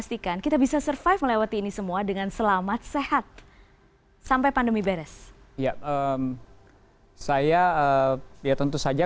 saya ya tentu saja